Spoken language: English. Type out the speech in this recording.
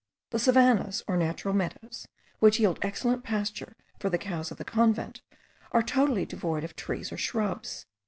The savannahs or natural meadows, which yield excellent pasture for the cows of the convent, are totally devoid of trees or shrubs.